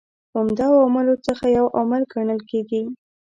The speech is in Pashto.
عمده عواملو څخه یو عامل کڼل کیږي.